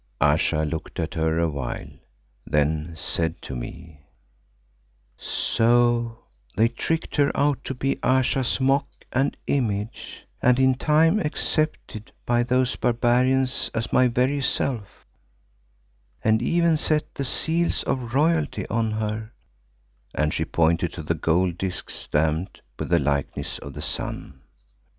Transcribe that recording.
Ayesha looked at her a while, then said to me, "So they tricked her out to be Ayesha's mock and image, and in time accepted by those barbarians as my very self, and even set the seals of royalty on her," and she pointed to the gold discs stamped with the likeness of the sun.